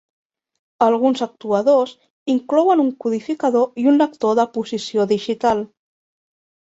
Alguns actuadors inclouen un codificador i un lector de posició digital.